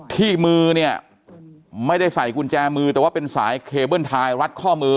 ที่มือเนี่ยไม่ได้ใส่กุญแจมือแต่ว่าเป็นสายเคเบิ้ลไทยรัดข้อมือ